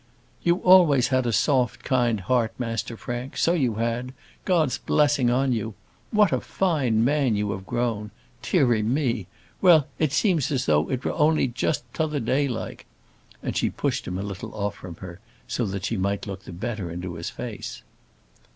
"You always had a soft, kind heart, Master Frank; so you had. God's blessing on you! What a fine man you have grown! Deary me! Well, it seems as though it were only just t'other day like." And she pushed him a little off from her, so that she might look the better into his face.